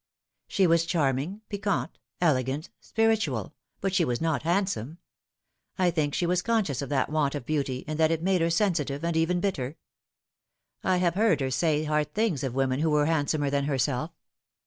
She was charming, piquant, elegant, spirituelle, but she was not handsome. I think she was conscious cf that want of beauty, and that it made her sensitive, and even bitter. I have heard her say hard things of women who were handsonif r than herself.